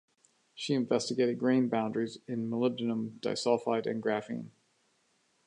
She investigated grain boundaries in molybdenum disulfide and graphene.